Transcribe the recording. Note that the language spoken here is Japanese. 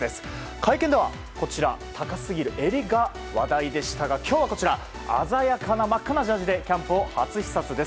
会見では高すぎる襟が話題でしたが今日は、鮮やかな真っ赤なジャージーでキャンプを視察です。